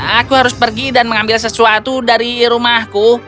aku harus pergi dan mengambil sesuatu dari rumahku